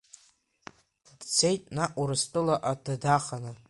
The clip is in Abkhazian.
Дцеит наҟ Урыстәылаҟа даханы.